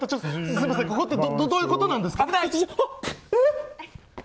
すみませんどういうことなんですか？